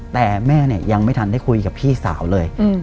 แต่แม่เนี่ยยังไม่ทันได้คุยกับพี่สาวเลย